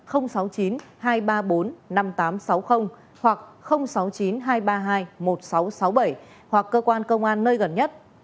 sáu mươi chín hai trăm ba mươi bốn năm nghìn tám trăm sáu mươi hoặc sáu mươi chín hai trăm ba mươi hai một nghìn sáu trăm sáu mươi bảy hoặc cơ quan công an nơi gần nhất